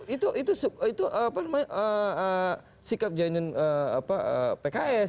itu itu itu apa namanya sikap jaringan pks